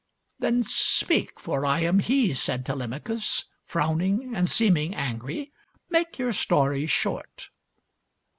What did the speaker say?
" Then speak, for I am he," said Telemachus, frowning and seeming angry. " Make your story short."